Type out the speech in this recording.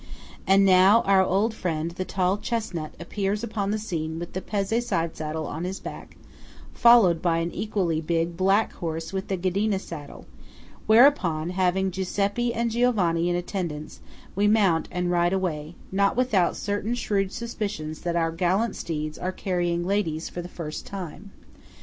And now our old friend the tall chesnut appears upon the scene with the Pezze side saddle on his back, followed by an equally big black horse with the Ghedina saddle; whereupon, having Giuseppe and Giovanni in attendance, we mount and ride away–not without certain shrewd suspicions that our gallant steeds are carrying ladies for the first time.